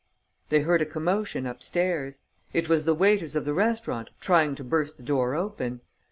They heard a commotion upstairs. It was the waiters of the restaurant trying to burst the door open.